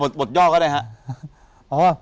เอาบทย่อก็ได้ครับ